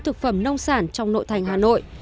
thực phẩm nông sản trong nội thành hà nội